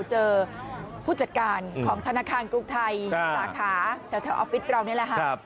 เจอผู้จัดการของธนาคารกรุงไทยสาขาแถวออฟฟิศเรานี่แหละค่ะ